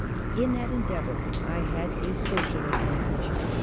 In that endeavour I had a social advantage.